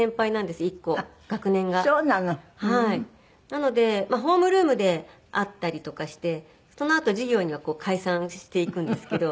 なのでホームルームで会ったりとかしてそのあと授業には解散していくんですけど。